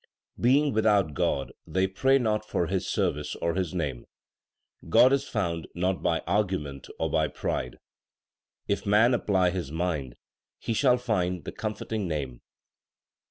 Being without God they pray not for His service or His name. God is found not by argument or by pride. If man apply his mind he shall find the comforting Name.